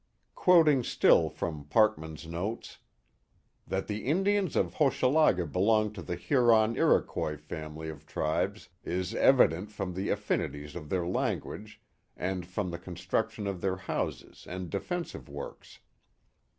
Quoting still from Parkman's notes: That the Indians of Hochelaga belonged to the Huron Iroquois family of tribes is evident from the affinities of their language and from the con struction of their houses and defensive works.